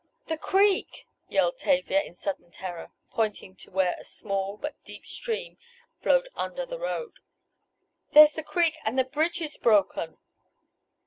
"The creek!" yelled Tavia in sudden terror, pointing to where a small, but deep stream flowed under the road. "There's the creek and the bridge is broken!"